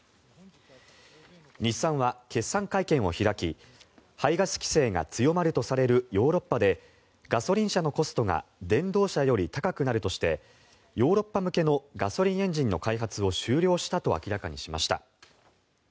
日産は決算会見を開き排ガス規制が強まるとされるヨーロッパでガソリン車のコストが電動車より高くなるとしてヨーロッパ向けのガソリンエンジンの開発を終了したと明らかにしました。